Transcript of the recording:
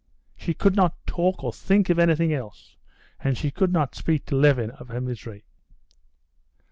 She could not talk or think of anything else, and she could not speak to Levin of her misery.